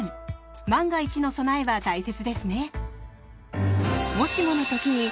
万が一の備えは大切ですね。